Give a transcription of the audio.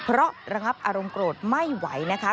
เพราะระงับอารมณ์โกรธไม่ไหวนะคะ